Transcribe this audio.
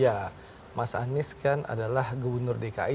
ya mas anies kan adalah gubernur dki